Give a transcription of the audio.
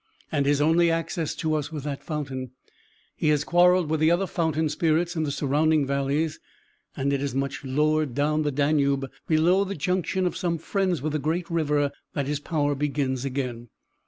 And his only access to us was that fountain. He has quarrelled with the other fountain spirits in the surrounding valleys, and it is much lower down the Danube, below the junction of some friends with the great river, that his power begins again.